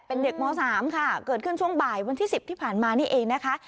เป็นเด็กม๓ค่ะเกิดขึ้นช่วงบ่ายวันที่๑๐ที่ผ่านมานี่เองนะคะ